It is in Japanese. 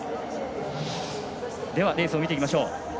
レースを見ていきましょう。